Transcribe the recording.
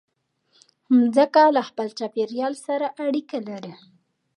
مځکه له خپل چاپېریال سره اړیکه لري.